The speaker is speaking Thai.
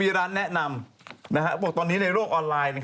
มีร้านแนะนำบอกตอนนี้ในโลกออนไลน์